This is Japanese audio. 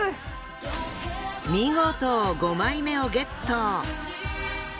見事５枚目をゲット。